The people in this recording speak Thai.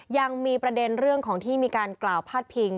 ยังมีประเด็นเรื่องของที่มีการกล่าวพาดพิง